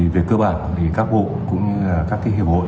về cơ bản thì các bộ cũng như các hiệp hội